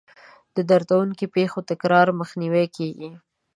د دردونکو پېښو د تکرار مخنیوی کیږي.